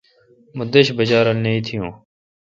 مہ دݭ بجہ رول نہ اتھی یوں۔